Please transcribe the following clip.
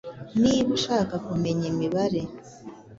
Niba ushaka kumenya imibare